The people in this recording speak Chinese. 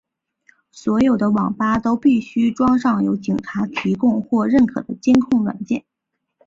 所有的网吧都必须装上由警察提供或认可的监控软件。